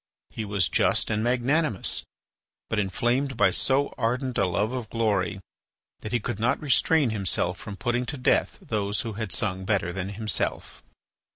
He was just and magnanimous, but inflamed by so ardent a love of glory that he could not restrain himself from putting to death those who had sung better than himself.